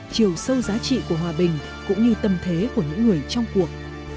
chiều sâu giá trị của hòa bình cũng như tâm thế của những người trong cuộc